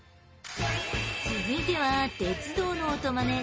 続いては鉄道の音マネ